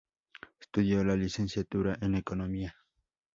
Estudió la licenciatura en Economía.